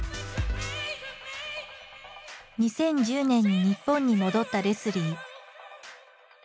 ２０１０年に日本に戻ったレスリー。